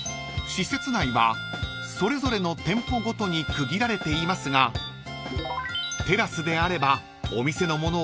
［施設内はそれぞれの店舗ごとに区切られていますがテラスであればお店のものを持ち込みＯＫ］